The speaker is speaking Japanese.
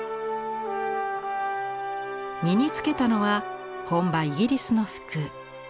身に着けたのは本場イギリスの服。